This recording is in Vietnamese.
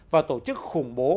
và tổ chức khủng bố